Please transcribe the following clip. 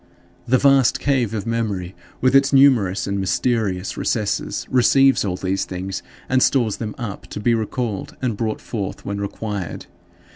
The vast cave of memory, with its numerous and mysterious recesses, receives all these things and stores them up, to be recalled and brought forth when required.